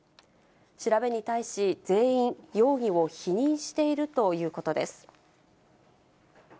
調べに対し、全員、容疑を否認しているということです。